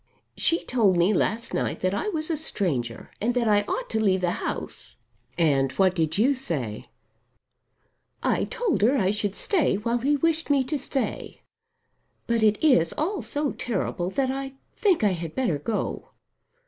"She told me last night that I was a stranger, and that I ought to leave the house." "And what did you say?" "I told her I should stay while he wished me to stay. But it is all so terrible, that I think I had better go."